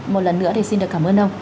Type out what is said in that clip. một lần nữa thì xin được cảm ơn ông